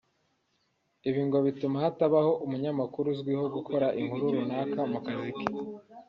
ibyo ngo bituma hatabaho umunyamakuru uzwiho gukora inkuru runaka mu kazi ke